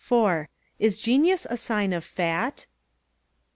Is genius a sign of fat?